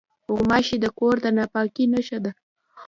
غوماشې د کور د ناپاکۍ نښه دي.